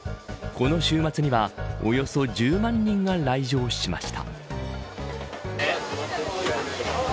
この週末にはおよそ１０万人が来場しました。